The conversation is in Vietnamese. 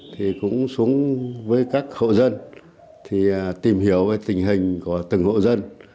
thì cũng xuống với các hộ dân thì tìm hiểu về tình hình của từng hộ dân